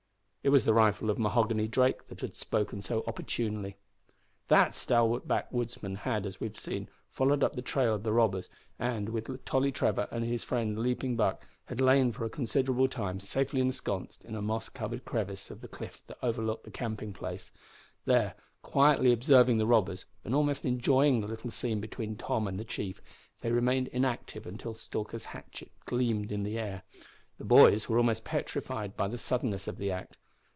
It was the rifle of Mahoghany Drake that had spoken so opportunely. That stalwart backwoodsman had, as we have seen, followed up the trail of the robbers, and, with Tolly Trevor and his friend Leaping Buck, had lain for a considerable time safely ensconced in a moss covered crevice of the cliff that overlooked the camping place. There, quietly observing the robbers, and almost enjoying the little scene between Tom and the chief, they remained inactive until Stalker's hatchet gleamed in the air. The boys were almost petrified by the suddenness of the act.